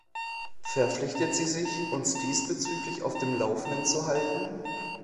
Verpflichtet sie sich, uns diesbezüglich auf dem laufenden zu halten?